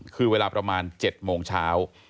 คือเวลาประมาณ๗โมงเช้า